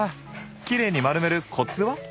きれいに丸めるコツは？